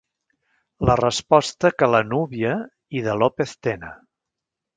La resposta que la núvia i de López Tena.